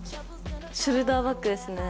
ショルダーバッグですね。